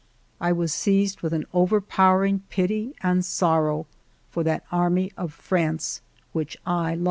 I was seized with an overpowering pity and sorrow for that army of France which I loved.